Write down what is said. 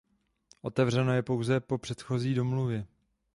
Otevřeno je pouze po předchozí domluvě.